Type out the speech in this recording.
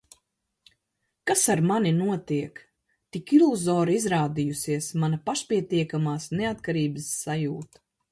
Kas ar mani notiek? Tik iluzora izrādījusies mana pašpietiekamās neatkarības sajūta.